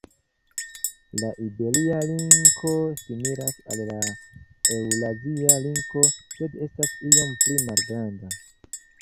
La iberia linko similas al la eŭrazia linko, sed estas iom pli malgranda.